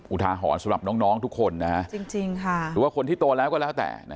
อุทาหรสำหรับน้องทุกคนนะฮะจริงค่ะหรือว่าคนที่โตแล้วก็แล้วแต่